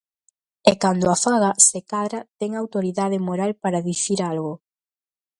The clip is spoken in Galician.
E cando a faga, se cadra ten autoridade moral para dicir algo.